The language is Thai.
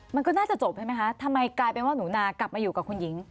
มันก็น่าจะจบใช่ไหมคะทำไมกลายเป็นว่าหนูนากลับมาอยู่กับคุณหญิง